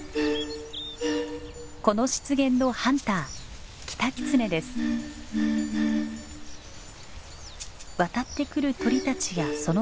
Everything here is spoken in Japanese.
この湿原のハンター渡ってくる鳥たちやその卵は特別なごちそう。